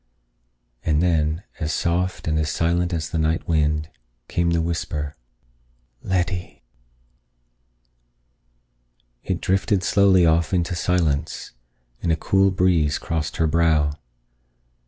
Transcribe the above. And then, as soft and as silent as the night wind, came the whisper: "Letty." It drifted slowly off into silence, and a cool breeze crossed her brow.